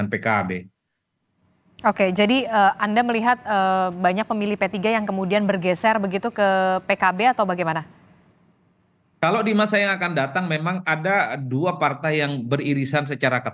meski kita tahu mayoritas pemilih pemilih nahdliin itu adalah pemilih pemilih yang tidak ada